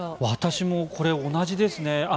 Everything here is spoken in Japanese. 私も同じですね。